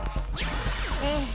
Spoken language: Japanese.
ええ。